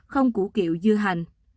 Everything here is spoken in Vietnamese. không củ kiệu dưa hành